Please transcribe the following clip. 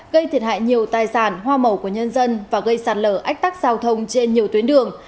gây thiệt hại nhiều tài sản hoa màu của nhân dân và gây sạt lở ách tắc giao thông trên nhiều tuyến đường